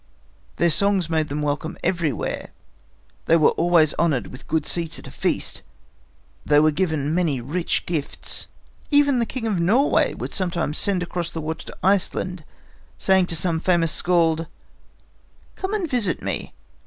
Their songs made them welcome everywhere. They were always honored with good seats at a feast. They were given many rich gifts. Even the King of Norway would sometimes send across the water to Iceland, saying to some famous skald: "Come and visit me.